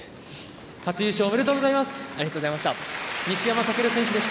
初優勝おめでとうございます！